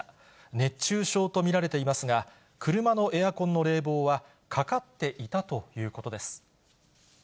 熱中症と見られていますが、車のエアコンの冷房はかかっていたということです。